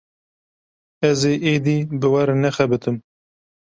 Ez ê êdî bi we re nexebitim.